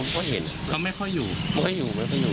เขาไม่ค่อยอยู่